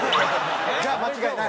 じゃあ間違いない！